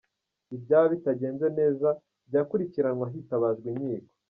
Ibyaba bitagenze neza byakurikiranwa hitabajwe inkiko.